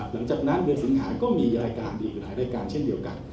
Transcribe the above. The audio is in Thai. หลังจากนั้นเดือนสิงหาก็มีรายการอีกหลายรายการเช่นเดียวกัน